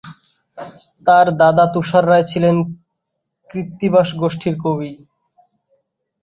তার দাদা তুষার রায় ছিলেন কৃত্তিবাস গোষ্ঠীর কবি।